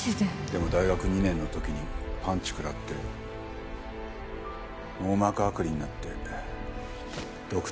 でも大学２年の時にパンチ食らって網膜剥離になってドクターストップです。